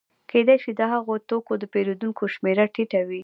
کېدای شي د هغه توکو د پېرودونکو شمېره ټیټه وي